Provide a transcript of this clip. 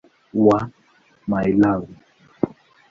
wa "My Love".